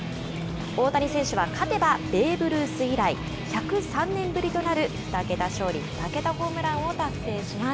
大谷選手は勝てばベーブ・ルース以来１０３年ぶりとなる２桁勝利２桁ホームランを達成します。